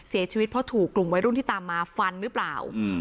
เสียชีวิตเพราะถูกกลุ่มวัยรุ่นที่ตามมาฟันหรือเปล่า